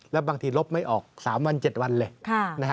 แล้วบางทีลบไม่ออก๓วัน๗วันเลย